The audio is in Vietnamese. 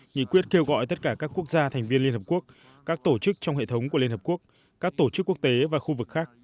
nghị quyết kêu gọi tất cả các quốc gia thành viên liên hợp quốc các tổ chức trong hệ thống của liên hợp quốc các tổ chức quốc tế và khu vực khác